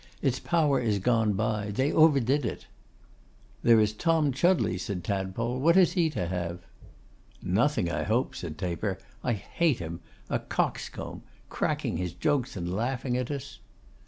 Its power is gone by. They overdid it.' 'There is Tom Chudleigh,' said Tadpole. 'What is he to have?' 'Nothing, I hope,' said Taper. 'I hate him. A coxcomb! Cracking his jokes and laughing at us.